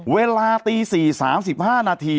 เวลาตี๔๓๕นาที